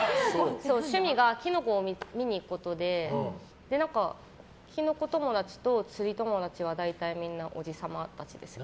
趣味がキノコを見に行くことでキノコ友達と釣り友達は大体みんなおじさま達ですね。